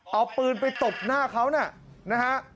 เอาปืนไปตบหน้าเขานะฮะ